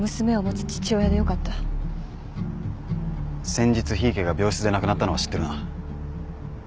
先日檜池が病室で亡くなったのは知ってるな？